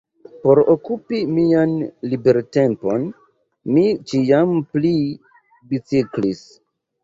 Por okupi mian libertempon, mi ĉiam pli biciklis.